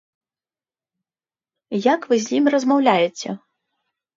Як вы з ім размаўляеце?